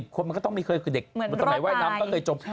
๑๐คนมันก็ไม่เคยคือเด็กเหมือนสมัยว่ายน้ำก็เคยจม